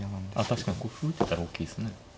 確かにここ歩打てたら大きいですね。